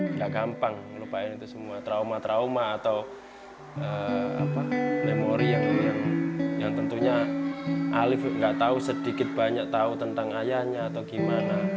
nggak gampang melupain itu semua trauma trauma atau memori yang tentunya alif nggak tahu sedikit banyak tahu tentang ayahnya atau gimana